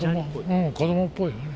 子どもっぽいよね。